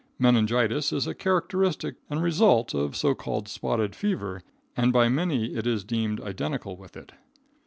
Meningitis is a characteristic and result of so called spotted fever, and by many it is deemed identical with it.